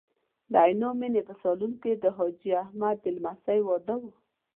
د عینومېنې په سالون کې د حاجي احمد د لمسۍ واده و.